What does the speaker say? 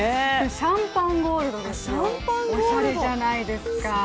シャンパンゴールドですよ、おしゃれじゃないですか。